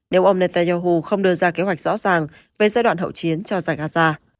nếu ông netanyahu không đưa ra kế hoạch rõ ràng về giai đoạn hậu chiến cho giải gaza